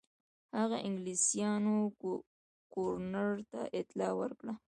هغه انګلیسیانو ګورنر ته اطلاع ورکړه.